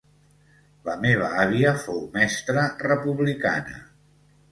La meva àvia fou mestra republicana